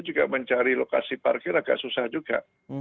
juga mencari lokasi parkir agak susah juga